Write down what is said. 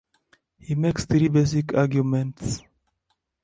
He makes three basic arguments.